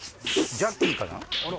ジャッキーかな？